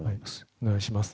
お願いします。